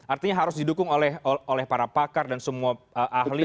artinya harus didukung oleh para pakar dan semua ahli